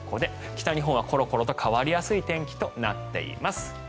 北日本はコロコロと変わりやすい天気となっています。